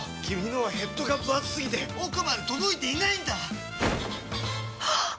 君のはヘッドがぶ厚すぎて奥まで届いていないんだっ！